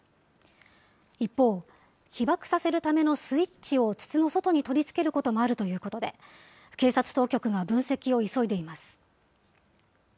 一方、起爆させるためのスイッチを筒の外に取り付けることもあるということで、警察当局が分析を急いでいます。